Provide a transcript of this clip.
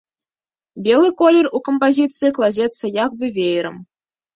Белы колер у кампазіцыі кладзецца як бы веерам.